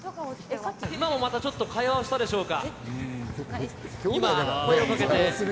今もまたちょっと会話をしたでしょうか。